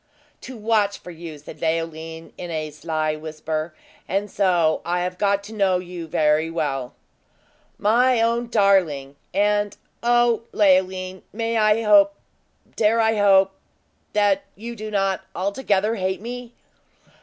"To watch for you!" said Leoline, in a sly whisper. "And so I have got to know you very well!" "My own darling! And, O Leoline! may I hope dare I hope that you do not altogether hate me?"